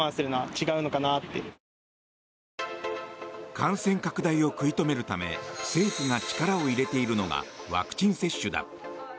感染拡大を食い止めるため政府が力を入れているのがワクチン接種だ。